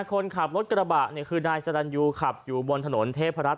คนขับรถกระบะนี่คือนายสดันยูหน่อยขับอยู่บนถนนเทพครับ